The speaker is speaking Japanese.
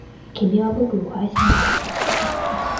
君は僕を愛せなかった